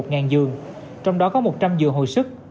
trong giường trong đó có một trăm linh giường hồi sức